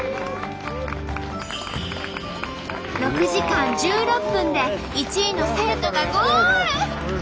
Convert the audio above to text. ６時間１６分で１位の生徒がゴール！